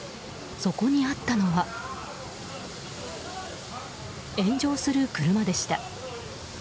そこにあったのは炎上する車でした。